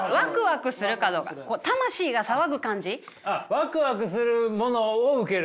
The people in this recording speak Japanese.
ワクワクするものを受ける。